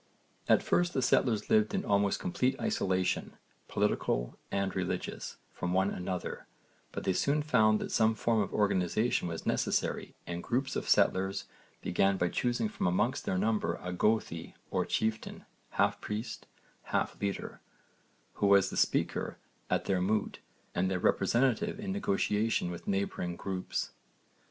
At first the settlers lived in almost complete isolation, political and religious, from one another, but they soon found that some form of organisation was necessary and groups of settlers began by choosing from among their number a goði, or chieftain, half priest, half leader, who was the speaker at their moot and their representative in negotiation with neighbouring groups.